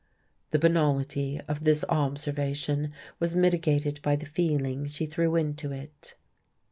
The banality of this observation was mitigated by the feeling she threw into it.